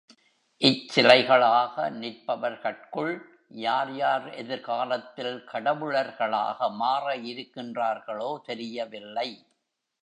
இச்சிலைகளாக நிற்பவர்கட்குள் யார் யார் எதிர் காலத்தில் கடவுளர்களாக மாற இருக் கின்றார்களோ தெரியவில்லை.